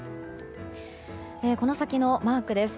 この先のマークです。